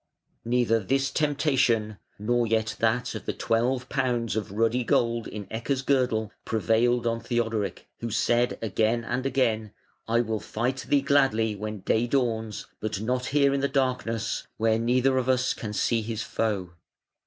Neither this temptation nor yet that of the twelve pounds of ruddy gold in Ecke's girdle prevailed on Theodoric, who said again and again: "I will fight thee gladly when day dawns, but not here in the darkness, where neither of us can see his foe".